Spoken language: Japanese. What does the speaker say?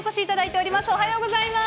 おはようございます。